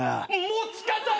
持ち方！